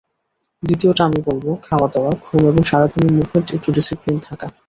দ্বিতীয়টা আমি বলব, খাওয়া-দাওয়া, ঘুম এবং সারা দিনের মুভমেন্টে একটু ডিসিপ্লিন থাকা।